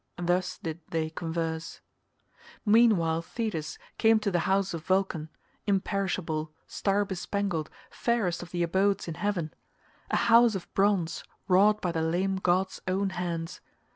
Thus did they converse. Meanwhile Thetis came to the house of Vulcan, imperishable, star bespangled, fairest of the abodes in heaven, a house of bronze wrought by the lame god's own hands.